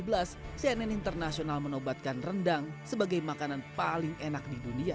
pada tahun dua ribu tujuh belas cnn internasional menobatkan rendang sebagai makanan paling enak di dunia